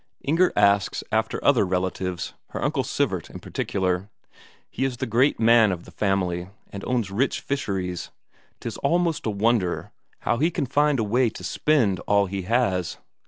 Inger asks after other relatives, her Uncle Sivert in particular. He is the great man of the family, and owns rich fisheries; 'tis almost a wonder how he can find a way to spend all he has.